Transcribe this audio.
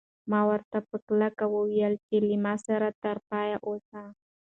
ما ورته په کلکه وویل چې له ما سره تر پایه اوسه.